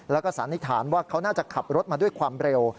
แล้วก็สันนิษฐานว่าเขาน่าจะขับรถมาด้วยความเร็ว